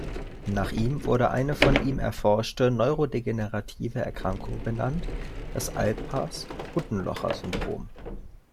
Nach ihm wurde eine von ihm erforschte neurodegenerative Erkrankung benannt, das Alpers-Huttenlocher-Syndrom.